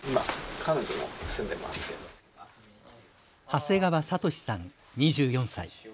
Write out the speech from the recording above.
長谷川解さん、２４歳。